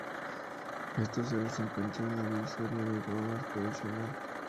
Estos cerros se encuentran en la divisoria de aguas provincial.